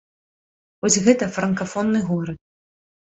Хоць гэта франкафонны горад.